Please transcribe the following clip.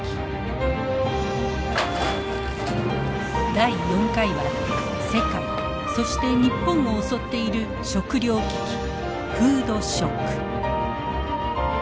第４回は世界そして日本を襲っている食料危機フードショック。